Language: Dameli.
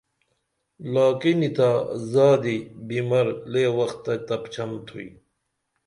لاکینی تا زادی بیمار لے وختہ تپچھن تُھوئی